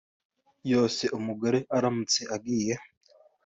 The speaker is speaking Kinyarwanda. yose. Umugore aramutse agiye